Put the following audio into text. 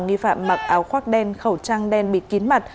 nghi phạm mặc áo khoác đen khẩu trang đen bịt kín mặt